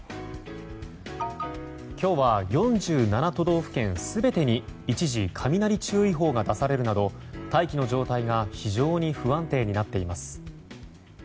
今日は４７都道府県全てに一時、雷注意報が出されるなど大気の状態が非常に不安定になっています。